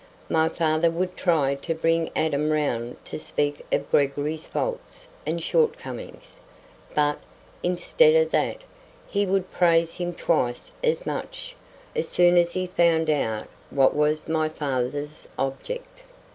My father would try to bring Adam round to speak of Gregory's faults and shortcomings; but, instead of that, he would praise him twice as much, as soon as he found out what was my father's object.